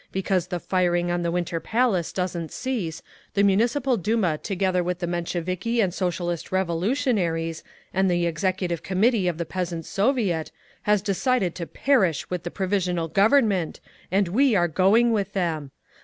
Because the firing on the Winter Palace doesn't cease, the Municipal Duma together with the Mensheviki and Socialist Revolutionaries, and the Executive Committee of the Peasants' Soviet, has decided to perish with the Provisional Government, and we are going with them!